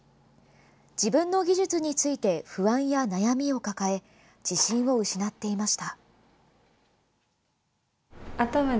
自分の技術について不安や悩みを抱え自信を失っていました。